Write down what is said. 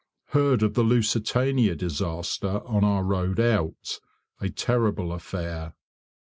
Heard of the 'Lusitania' disaster on our road out. A terrible affair!